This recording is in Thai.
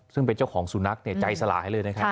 ซึ่งเป็นเจ้าของสุนัขใจสลายเลยนะครับ